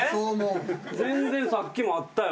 全然さっきもあったよ。